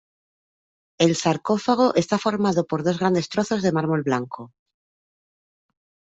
El sarcófago está formado por dos grandes trozos de mármol blanco.